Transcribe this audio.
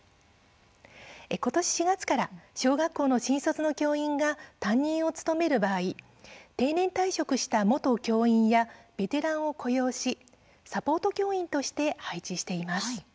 今年４月から小学校の新卒の教員が担任を務める場合定年退職した元教員やベテランを雇用しサポート教員として配置しています。